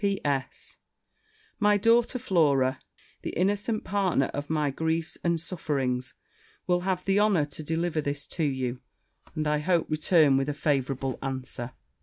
P.S. My daughter Flora, the innocent partner of my griefs and sufferings, will have the honour to deliver this to you, and, I hope, return with a favourable answer.'